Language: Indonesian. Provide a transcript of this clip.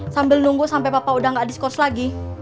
sambil nunggu sampe papa udah gak diskos lagi